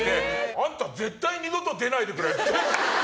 あんた絶対二度と出ないでくれって。